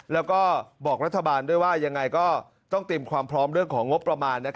แล้วก็บอกรัฐบาลด้วยว่ายังไงก็ต้องเตรียมความพร้อมเรื่องของงบประมาณ